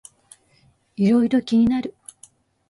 いろいろ気になる